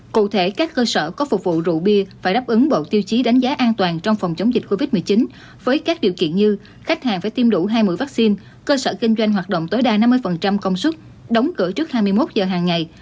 cụ thể các cơ sở có phục vụ rượu bia phải đáp ứng bộ tiêu chí đánh giá an toàn trong phòng chống dịch covid một mươi chín với các điều kiện như khách hàng phải tiêm đủ hai mươi vaccine cơ sở kinh doanh hoạt động tối đa năm mươi công suất đóng cửa trước hai mươi một giờ hàng ngày